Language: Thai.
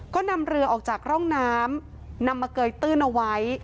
ก็นำเรือออกจากร่องน้ำนำมาเกยตื้นเอาไว้